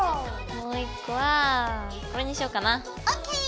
もう１個はこれにしようかな。ＯＫ！